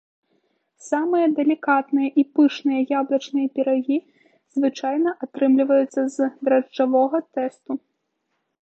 Самыя далікатныя і пышныя яблычныя пірагі звычайна атрымліваюцца з дражджавога тэсту.